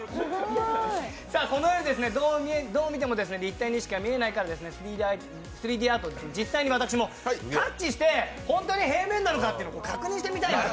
この絵、どう見ても立体にしか見えないから３Ｄアート、実際に私もタッチして本当に平面なのかというのを確認してみたい。